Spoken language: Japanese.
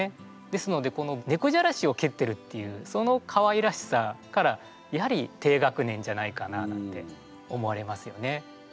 ですのでこの猫じゃらしを蹴ってるっていうそのかわいらしさからやはり低学年じゃないかななんて思われますよね。